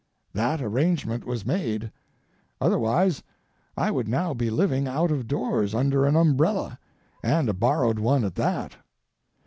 That arrangement was made; otherwise I would now be living out of doors under an umbrella, and a borrowed one at that.